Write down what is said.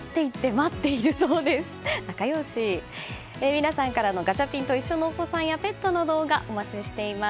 皆さんからのガチャピンといっしょ！のお子さんやペットの動画お待ちしています。